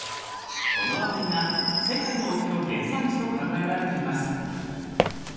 この辺りが世界のお茶の原産地と考えられています。